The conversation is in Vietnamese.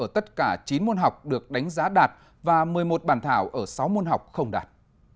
tất cả chín môn học được đánh giá đạt và một mươi một bản thảo ở sáu môn học không đạt